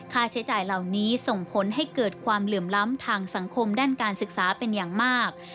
ค่าใช้จ่ายเหล่านี้ส่งผลให้เกิดความเหลื่อมล้ำทางสังคมด้านการศึกษาเป็นอย่างมาก